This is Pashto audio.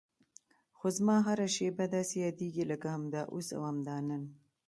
خو زما هره شېبه داسې یادېږي لکه همدا اوس او همدا نن.